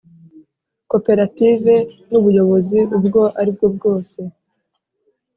Koperative n ubuyobozi ubwo aribwo bwose